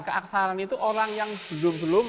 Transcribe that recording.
keaksaran itu orang yang belum belum